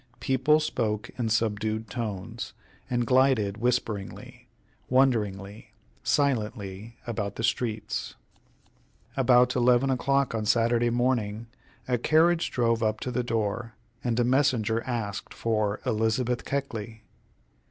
People spoke in subdued tones, and glided whisperingly, wonderingly, silently about the streets. About eleven o'clock on Saturday morning a carriage drove up to the door, and a messenger asked for "Elizabeth Keckley."